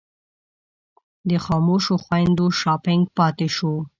د خاموشو خویندو شاپنګ پاتې شو.